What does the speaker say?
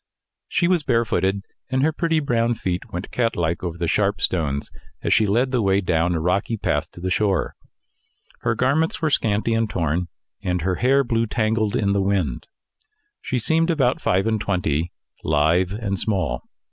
She was barefooted, and her pretty brown feet went catlike over the sharp stones, as she led the way down a rocky path to the shore. Her garments were scanty and torn, and her hair blew tangled in the wind. She seemed about five and twenty, lithe and small.